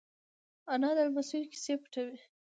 انا له لمسيو کیسې پټوي